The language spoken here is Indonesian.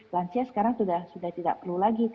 lansia sekarang sudah tidak perlu lagi